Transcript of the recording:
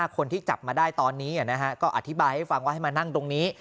คนที่จับมาได้ตอนนี้ก็อธิบายให้ฟังว่าให้มานั่งตรงนี้